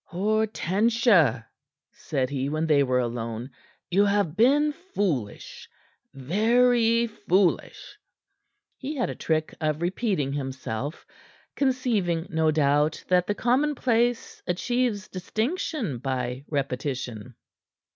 "Hortensia," said he, when they were alone. "You have been foolish; very foolish." He had a trick of repeating himself, conceiving, no doubt, that the commonplace achieves distinction by repetition.